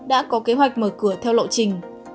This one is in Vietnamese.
đã có kế hoạch mở cửa theo lộ trình